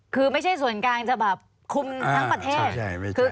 คือไม่ใช่ส่วนกลางจะแบบคุมทั้งประเทศ